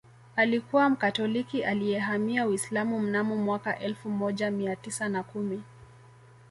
Alikuwa Mkatoliki aliyehamia Uislamu mnamo mwaka elfu moja mia tisa na kumi